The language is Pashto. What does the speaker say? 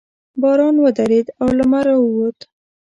باران ودرېد او لمر راووت.